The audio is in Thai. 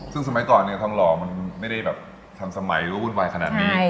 ซึ่งสมัยก่อนทองรอมันไม่ได้แบบทำสมัยรู้ว่าวุ่นวายขนาดนี้